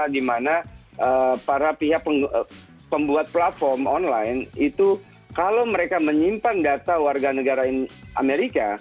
di mana para pihak pembuat platform online itu kalau mereka menyimpan data warga negara amerika